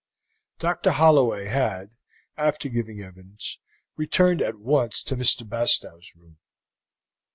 Dr. Holloway had, after giving evidence, returned at once to Mr. Bastow's room.